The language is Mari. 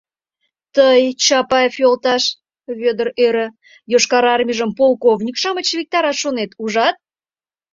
— Тый, Чапаев йолташ, — Вӧдыр ӧрӧ, — Йошкар Армийжым полковник-шамыч виктарат шонет, ужат?